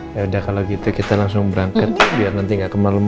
ya udah kalau gitu kita langsung berangkat biar nanti nggak kemal